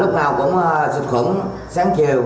lúc nào cũng sụt khuẩn sáng chiều